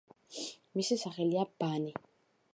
მისი სახელია „ბანი“.